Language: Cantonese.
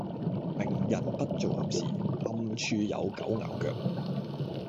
明人不做暗事，暗處有狗咬腳